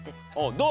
どう？